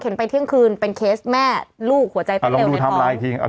ขึ้นไปเที่ยงคืนเป็นเคสแม่ลูกหัวใจประเทศเรียนฟอร์ม